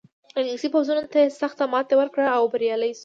انګلیسي پوځونو ته یې سخته ماتې ورکړه او بریالی شو.